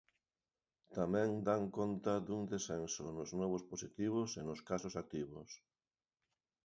Tamén dan conta dun descenso nos novos positivos e nos casos activos.